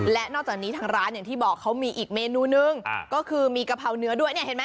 และนอกจากนี้ทางร้านอย่างที่บอกเขามีอีกเมนูนึงก็คือมีกะเพราเนื้อด้วยเนี่ยเห็นไหม